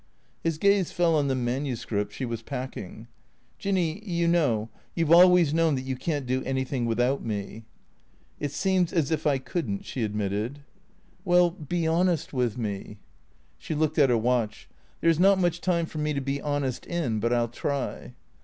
His gaze fell on the manuscript she was packing. " Jinny, you know — you 've always known that you can't do anything without me." " It seems as if I could n't," she admitted. " Well — be honest with me." She looked at her watch. " There 's not much time for me to be honest in, but I '11 try."